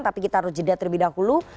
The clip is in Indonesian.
tapi kita harus jeda terlebih dahulu